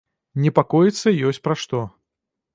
Непакоіцца ёсць пра што.